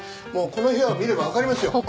もうこの部屋を見ればわかりますよ。